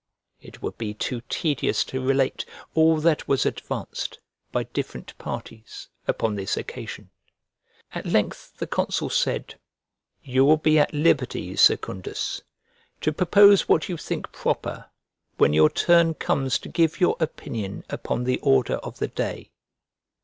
It would be too tedious to relate all that was advanced, by different parties, upon this occasion. At length the consul said, "You will be at liberty, Secundus, to propose what you think proper when your turn comes to give your opinion upon the order of the day."